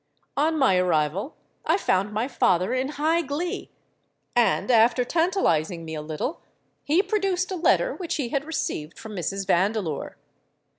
On my arrival I found my father in high glee; and, after tantalising me a little, he produced a letter which he had received from Mrs. Vandeleur.